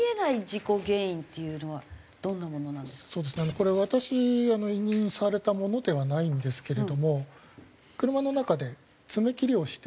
これ私委任されたものではないんですけれども車の中で爪切りをして。